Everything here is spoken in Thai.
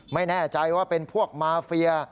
ไม่แน่ใจว่าเป็นพวกมาเฟีย